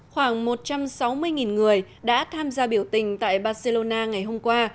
khoảng một trăm sáu mươi người đã tham gia biểu tình tại barcelona ngày hôm qua